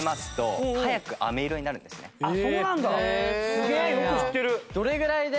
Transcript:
すげえよく知ってる。